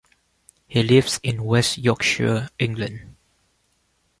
He lives in West Yorkshire, England.